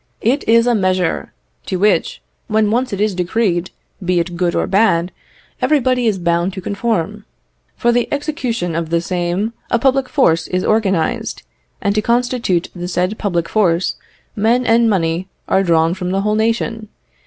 "It is a measure to which, when once it is decreed, be it good or bad, everybody is bound to conform. For the execution of the same a public force is organised, and to constitute the said public force, men and money are drawn from the whole nation.